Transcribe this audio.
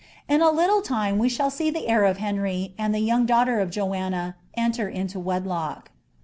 In a little time we shall tee the heir of Henry, and the young daughter of Joanna enter into wedlock.